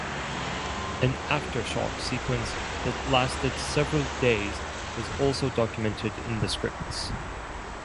An aftershock sequence that lasted several days was also documented in the scripts.